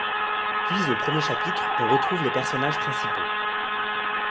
Puis au premier chapitre on retrouve les personnages principaux.